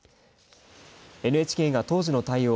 ＮＨＫが当時の対応